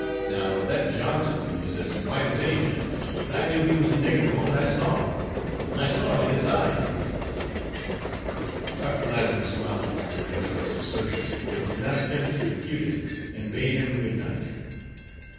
Now, that Johnson is as white as any man; but I knew he was a nigger the moment I saw him. I saw it in his eye." Dr. Latimer smiled at Dr. Latrobe's assertion, but did not attempt to refute it; and bade him good night.